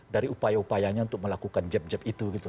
dari upaya upayanya untuk melakukan jeb jeb itu gitu